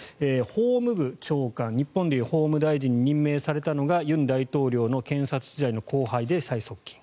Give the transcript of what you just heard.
法務部長官に任命されたのが日本でいう法務大臣に任命されたのが、尹大統領の検察時代の後輩で最側近。